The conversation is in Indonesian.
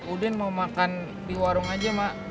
uden mau makan di warung aja mak